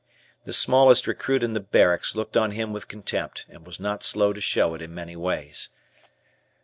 The smallest recruit in the barracks looked on him with contempt, and was not slow to show it in many ways.